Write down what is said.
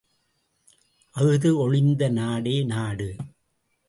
அஃது ஒழிந்த நாடே நாடு!